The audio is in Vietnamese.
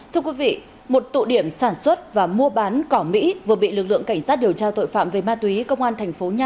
thưa quý vị một tụ điểm sản xuất và mua bán cỏ mỹ vừa bị lực lượng công an